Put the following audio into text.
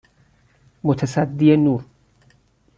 متصدی نور